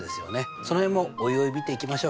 その辺もおいおい見ていきましょう。